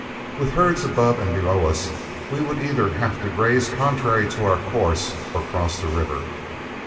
With herds above and below us, we would either have to graze contrary to our course or cross the river.